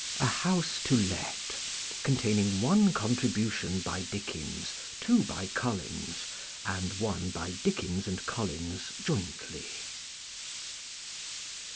I "A House to Let," containing one contribution by Dickens, two by Collins, and one by Dickens anil Collins jointly.